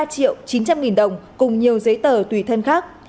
ba triệu chín trăm linh nghìn đồng cùng nhiều giấy tờ tùy thân khác